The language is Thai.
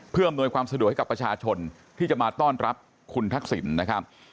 เพื่ออำนวยความสะดวกให้กับประชาชนที่จะมาต้อนรับคุณทักษิณนะครับ